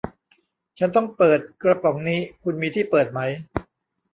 ฉันต้องเปิดกระป๋องนี้ คุณมีที่เปิดไหม